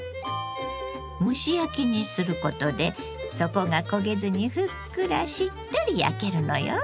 蒸し焼きにすることで底が焦げずにふっくらしっとり焼けるのよ。